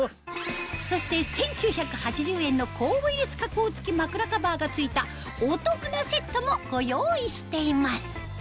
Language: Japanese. そして１９８０円の抗ウイルス加工付き枕カバーが付いたお得なセットもご用意しています